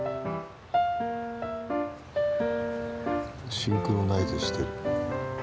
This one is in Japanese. シンクロナイズしている。